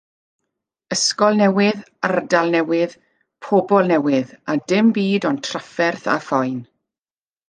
Ysgol newydd, ardal newydd, pobl newydd a dim byd ond trafferth a phoen.